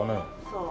そう。